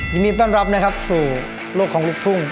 ยินดีต้อนรับนะครับสู่โลกของลูกทุ่ง